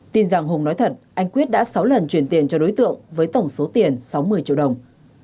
tin rằng hùng nói thật anh quyết đã sáu lần chuyển tiền cho đối tượng với tổng số tiền sáu mươi triệu đồng